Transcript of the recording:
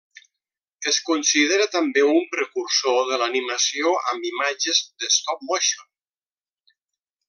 Es considera també un precursor de l'animació amb imatges de stop-motion.